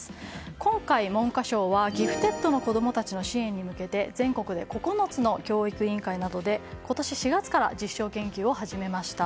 今回文科省はギフテッドの子供たちの支援のため全国の９つの教育委員会などで今年４月から実証研究を始めました。